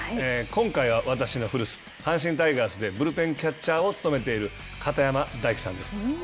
今回は私の古巣阪神タイガースでブルペンキャッチャーを務めている片山大樹さんです。